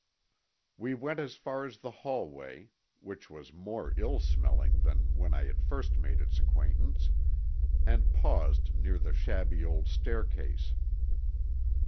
We went as far as the hallway, which was more ill smelling than when I had first made its acquaintance, and paused near the shabby old staircase.